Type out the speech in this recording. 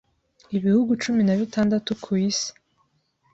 ibihugu cumi nabitandatu ku isi